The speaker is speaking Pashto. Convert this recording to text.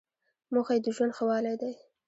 موخه یې د ژوند ښه والی دی.